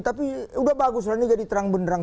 tapi udah bagus lah ini jadi terang benerang